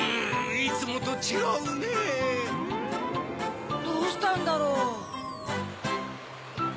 いつもとちがうねぇ。どうしたんだろう？